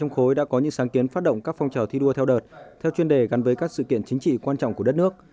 khối đã có những sáng kiến phát động các phong trào thi đua theo đợt theo chuyên đề gắn với các sự kiện chính trị quan trọng của đất nước